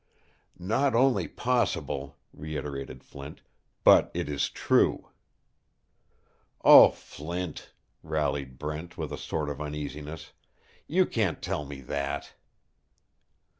"Not only possible," reiterated Flint, "but it is true." "Oh, Flint," rallied Brent, with a sort of uneasiness, "you can't tell me that!"